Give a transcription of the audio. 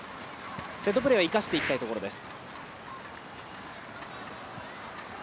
セットプレーは生かしていきたいところです。